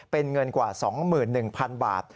เป็นเงินกว่า๒๑๐๐๐บาท